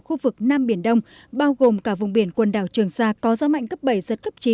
khu vực nam biển đông bao gồm cả vùng biển quần đảo trường sa có gió mạnh cấp bảy giật cấp chín